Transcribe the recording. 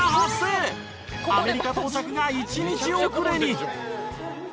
アメリカ到着が１日遅れに。